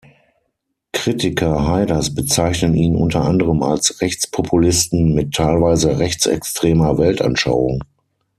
Kritiker Haiders bezeichnen ihn unter anderem als Rechtspopulisten mit teilweise rechtsextremer Weltanschauung.